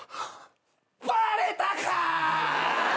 バレたか！！